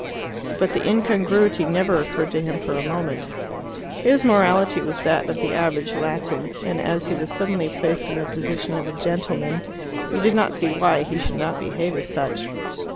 But the incongruity never occurred to him for a moment. His morality was that of the average Latin, and as he was suddenly placed in the position of a gentleman, he did not see why he should not behave as such.